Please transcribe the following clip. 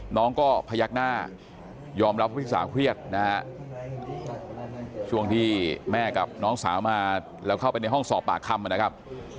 น้องก็พยักหน้ายอมรับว่าพี่สาวเครียดนะฮะช่วงที่แม่กับน้องสาวมาแล้วเข้าไปในห้องสอบปากคำนะครับ